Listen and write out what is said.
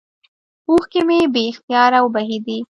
اوښکې مې بې اختياره وبهېدې.